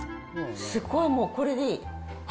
すごい、もうこれでいい。